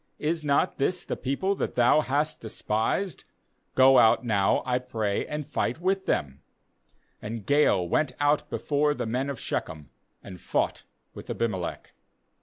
is not this the people that thou hast despised? go out now, I pray, and fight with them' 39And Gaal went out bef ore the men of Shechem, and fought with Abimelech.